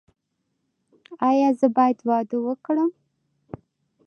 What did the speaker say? ایا زه باید واده وکړم؟